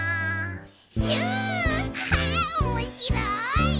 「シュおもしろい」